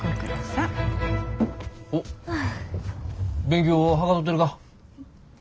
勉強ははかどってるか？